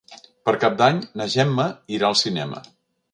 Per Cap d'Any na Gemma irà al cinema.